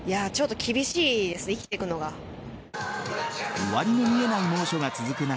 終わりの見えない猛暑が続く中